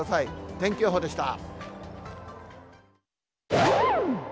天気予報でした。